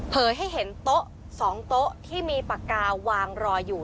ให้เห็นโต๊ะ๒โต๊ะที่มีปากกาวางรออยู่